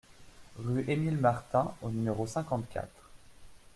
Rue Émile Martin au numéro cinquante-quatre